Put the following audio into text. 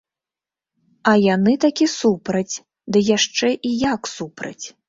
А яны такі супраць, ды яшчэ і як супраць.